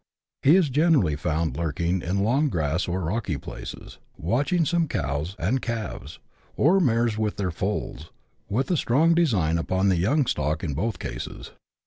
He is generally found lurk ing in long grass or rocky places, watching some cows and calves, or mares with their foals, with a strong design upon the young stock in both cases.